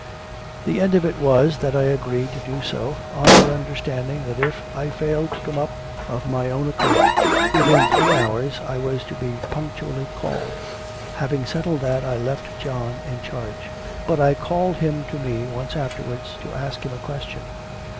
The end of it was, that I agreed to do so, on the understanding that if I failed to come up of my own accord within three hours, I was to be punctually called. Having settled that, I left John in charge. But I called him to me once afterwards, to ask him a question.